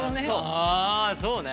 あそうね。